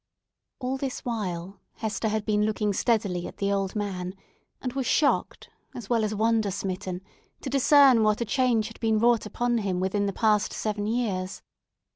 All this while Hester had been looking steadily at the old man, and was shocked, as well as wonder smitten, to discern what a change had been wrought upon him within the past seven years.